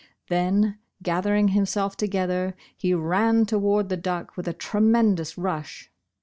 Then ^rather o ing himself together, he ran toward the duck with a tremendous rush.